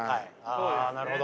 あなるほど。